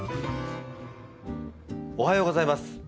おはようございます。